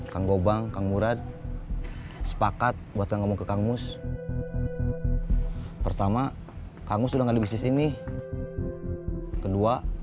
tanggung bankang murad sepakat buat ngomong ke kangus pertama kamu sudah di bisnis ini kedua